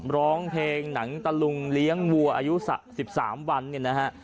ร้องเพลงหนังตะลุงเลี้ยงวัวอายุ๑๓วันเนี่ยนะฮะ